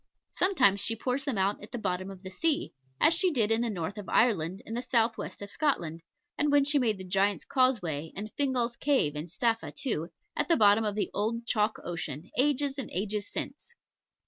Sometimes she pours them out at the bottom of the sea, as she did in the north of Ireland and the south west of Scotland, when she made the Giant's Causeway, and Fingal's Cave in Staffa too, at the bottom of the old chalk ocean, ages and ages since.